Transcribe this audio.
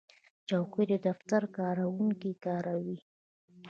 چوکۍ د دفتر کارکوونکي کاروي.